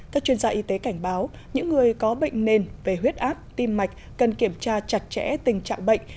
các chuyên gia y tế cảnh báo những người có bệnh nền về huyết áp tim mạch cần kiểm tra chặt chẽ tình trạng bệnh